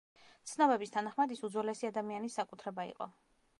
ცნობების თანახმად ის უძველესი ადამიანის საკუთრება იყო.